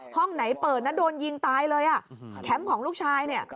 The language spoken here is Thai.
ห้องไหนเปิดนะโดนยิงตายเลยอ่ะแคมป์ของลูกชายเนี่ย